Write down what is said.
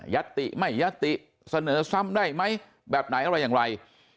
ติไม่ยัตติเสนอซ้ำได้ไหมแบบไหนอะไรอย่างไร